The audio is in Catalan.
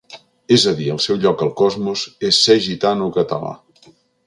És a dir, el seu lloc al cosmos és ser gitano català.